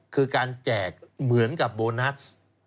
คือการแจกเหมือนกับโบนัส